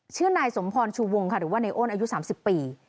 ชื่อนายสมพรชูวงค่ะหรือว่าในอ้นอายุ๓๐ปี